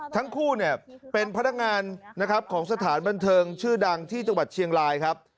ทั้งคู่เนี่ยเป็นพนักงานนะครับของสถานบันเทิงชื่อดังที่จังหวัดเชียงรายครับ